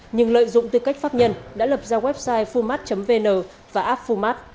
nhưng lợi dụng tư cách pháp nhân đã lập ra website fumat vn và app fumat